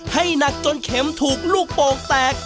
ให้หนักจนเข็มถูกลูกโป่งแตก